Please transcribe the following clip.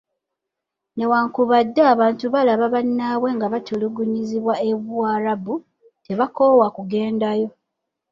Newankubadde abantu balaba bannaabwe nga batulugunyizibwa e Buwarabu, tebakoowa kugendayo.